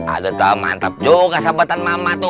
ada tuh mantap juga sahabatan mama tuh